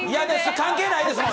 関係ないですもん！